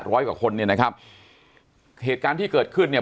ร้อยกว่าคนเนี่ยนะครับเหตุการณ์ที่เกิดขึ้นเนี่ย